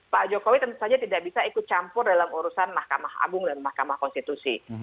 pak jokowi tentu saja tidak bisa ikut campur dalam urusan mahkamah agung dan mahkamah konstitusi